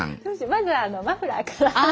まずマフラーから。